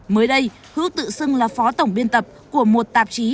mới đây hữu tự xưng là phó tổng biên tập của một tạp chí